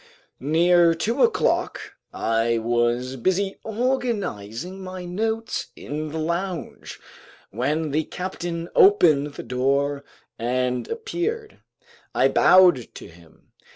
Near two o'clock I was busy organizing my notes in the lounge, when the captain opened the door and appeared. I bowed to him.